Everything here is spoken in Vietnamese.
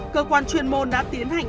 cơ quan truyền môn đã tiến hành